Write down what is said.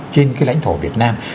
trên cái lãnh thổ việt nam